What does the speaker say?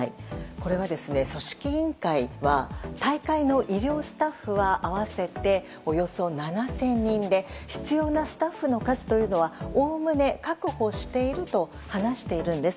これは、組織委員会は大会の医療スタッフは合わせて、およそ７０００人で必要なスタッフの数はおおむね確保していると話しているんです。